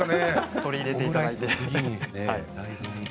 取り入れていただいて。